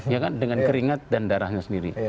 ya kan dengan keringat dan darahnya sendiri